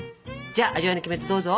じゃあ味わいのキメテどうぞ。